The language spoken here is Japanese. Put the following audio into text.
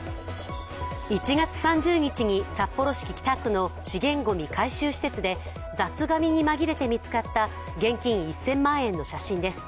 １月３０日に札幌市北区の資源ゴミ回収施設で雑紙に紛れて見つかった現金１０００万円の写真です。